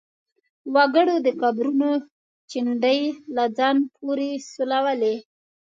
وګړو د قبرونو چنډې له ځان پورې سولولې.